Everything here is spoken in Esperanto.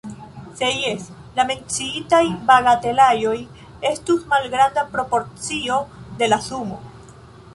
Se jes, la menciitaj bagatelaĵoj estus malgranda proporcio de la sumo.